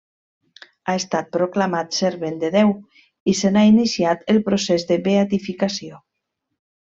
Ha estat proclamant Servent de Déu i se n'ha iniciat el procés de beatificació.